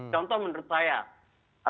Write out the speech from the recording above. contoh menurut saya